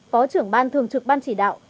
phó trưởng ban thường trực ban chỉ đạo